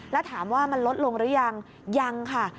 แล้วถามว่ามันลดลงหรือยังยังค่ะ